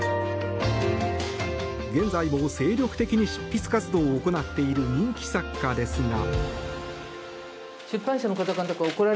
現在も精力的に執筆活動を行っている人気作家ですが。